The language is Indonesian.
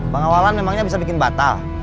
pengawalan memangnya bisa bikin batal